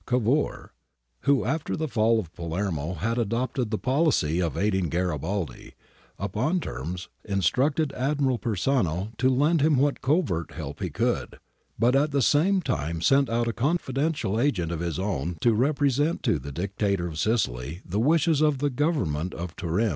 Cavour, who after the fall of Palermo had adopted the policy of aiding Garibaldi — upon terms — instructed Admiral Persano to lend him what covert help he could, but at the same time sent out a confidential agent of his own to represent to the Dictator of Sicily the wishes of the Government of Turin.